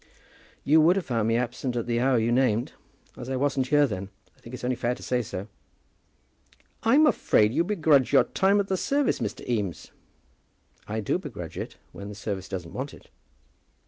"You would have found me absent at the hour you named. As I wasn't here then, I think it's only fair to say so." "I'm afraid you begrudge your time to the service, Mr. Eames." "I do begrudge it when the service doesn't want it."